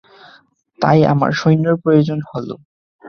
তাই আমার সৈন্যের প্রয়োজন হলো।